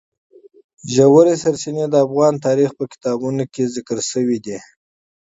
ژورې سرچینې د افغان تاریخ په کتابونو کې ذکر شوی دي.